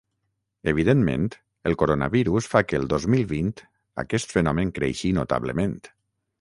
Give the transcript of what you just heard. Evidentment, el coronavirus fa que el dos mil vint aquest fenomen creixi notablement.